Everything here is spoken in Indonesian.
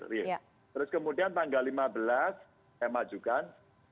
terus kemudian tanggal lima belas saya majukan satu tujuh ratus delapan puluh dua